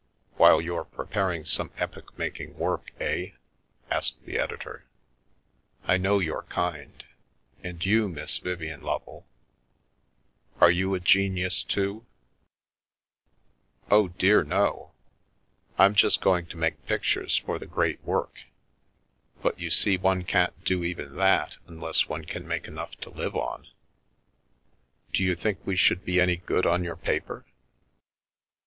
" While you're preparing some epoch making work, eh ?" asked the editor. " I know your kind. And you, Miss Vivien Lovel, are you a genius too?" A Flutter in Fleet Street " Oh, dear no. I'm just going to make pictures for the great work, but you see one can't do even that unless one can make enough to live on. Do you think we should be any good on your paper?